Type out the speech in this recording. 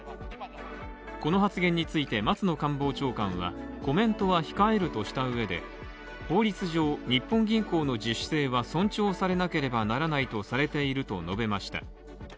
この発言について、松野官房長官はコメントは控えるとしたうえで法律上、日本銀行の自主性は尊重されなければならないとされていると述べました。